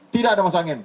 tidak ada masuk angin